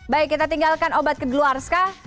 baik kita tinggalkan obat ke deluarska